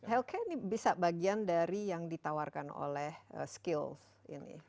healke ini bisa bagian dari yang ditawarkan oleh skills ini